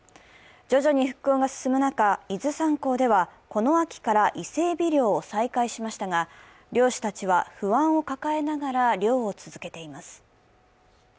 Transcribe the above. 徐々に復興が進む中、伊豆山港ではこの秋から伊勢えび漁を再開しましたが漁師たちは不安を抱えながら漁を続けています。